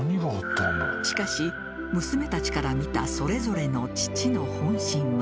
しかし娘達から見たそれぞれの父の本心は